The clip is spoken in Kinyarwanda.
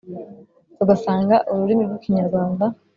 tugasanga ururimi rwi Kinyarwanda